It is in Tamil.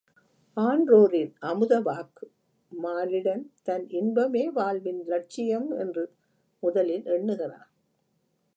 ஆன்றோரின் அமுத வாக்கு மானிடன் தன் இன்பமே வாழ்வின் லட்சியம் என்று முதலில் எண்ணுகிறான்.